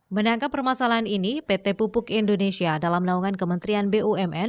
menangkap permasalahan ini pt pupuk indonesia dalam naungan kementerian bumn